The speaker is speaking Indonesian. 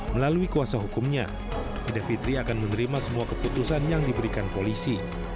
melalui kuasa hukumnya ida fitri akan menerima semua keputusan yang diberikan polisi